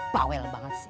pawel banget sih